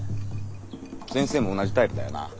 先生も同じタイプだよな。